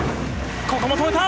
ここも止めた。